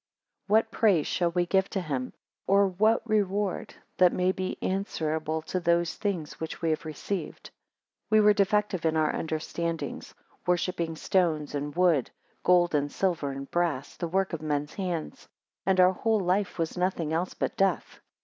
6 What praise shall we give to him? Or what reward that may be answerable to those things which we have received. 7 We were defective in our understandings; worshipping stones, and wood; gold, and silver, and brass, the work of men's hands; and our whole life was nothing else but death.